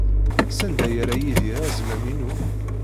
Sanda ay yerra Yidir azmam-inu?